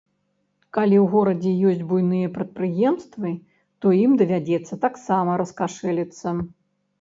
Калі ў горадзе ёсць буйныя прадпрыемствы, то ім давядзецца таксама раскашэліцца.